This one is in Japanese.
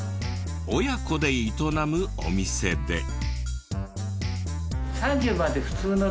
親子で営むお店で。